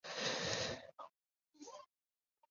日本国内指定史迹。